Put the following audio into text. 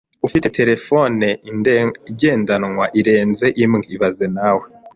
Ufite terefone igendanwa irenze imwe ibaze nawe